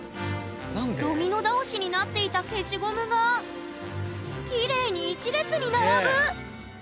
ドミノ倒しになっていた消しゴムがきれいに１列に並ぶ！